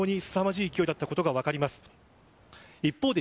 本当にすさまじい勢いだったことが分かります。